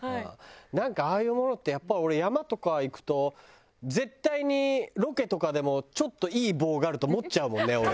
なんかああいうものってやっぱ俺山とか行くと絶対にロケとかでもちょっといい棒があると持っちゃうもんね俺。